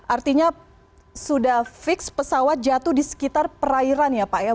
artinya sudah fix pesawat jatuh di sekitar perairan ya pak ya